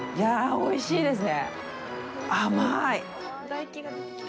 おいしいですよ。